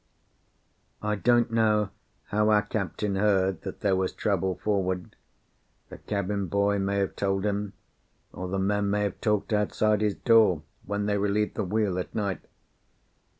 I don't know how our captain heard that there was trouble forward. The cabin boy may have told him, or the men may have talked outside his door when they relieved the wheel at night.